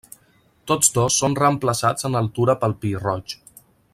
Tots dos són reemplaçats en altura pel pi roig.